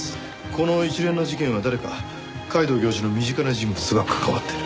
この一連の事件は誰か皆藤教授の身近な人物が関わっている。